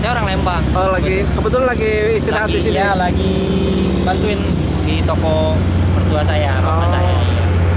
saya orang lembang lagi kebetulan lagi istirahat di sini lagi bantuin di toko